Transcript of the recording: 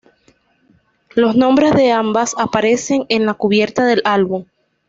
Los nombres de ambas aparecen en la cubierta del álbum.